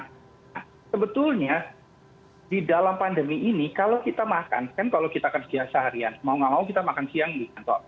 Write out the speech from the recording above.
dan sebetulnya di dalam pandemi ini kalau kita makan kan kalau kita kan setiap seharian mau nggak mau kita makan siang gitu